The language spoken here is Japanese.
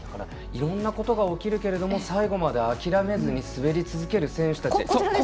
いろんなことが起きるけれども最後まで諦めずに滑り続ける選手たち。